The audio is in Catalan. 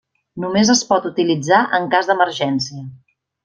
Només es pot utilitzar en cas d'emergència.